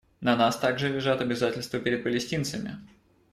На нас также лежат обязательства перед палестинцами.